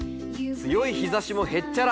強い日ざしもへっちゃら。